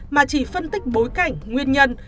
mà chỉ phân tích bối cảnh nguyên nhân